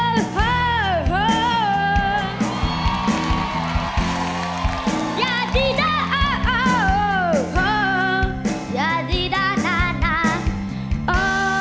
คือเพื่อนกันเพื่อนตายตลอดไป